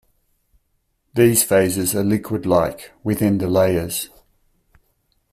These phases are liquid-like within the layers.